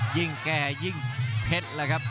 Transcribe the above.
ยิ่งแก่ยิ่งเผ็ด